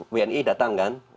wni datang kan